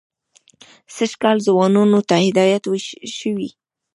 سږ کال ځوانانو ته هدایت شوی.